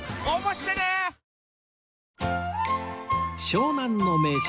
湘南の名所